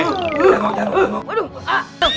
jangan dong jangan dong